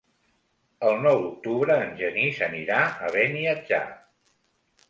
El nou d'octubre en Genís anirà a Beniatjar.